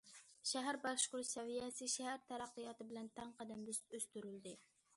شەھەر باشقۇرۇش سەۋىيەسى شەھەر تەرەققىياتى بىلەن تەڭ قەدەمدە ئۆستۈرۈلدى.